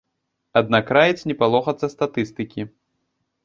Аднак раіць не палохацца статыстыкі.